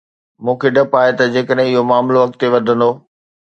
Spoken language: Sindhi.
مون کي ڊپ آهي ته جيڪڏهن اهو معاملو اڳتي وڌندو.